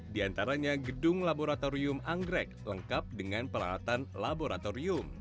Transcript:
di antaranya gedung laboratorium anggrek lengkap dengan peralatan laboratorium